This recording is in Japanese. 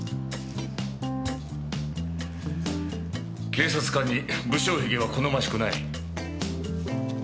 警察官に無精ひげは好ましくない。